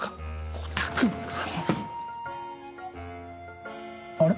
コタくんが。あれ？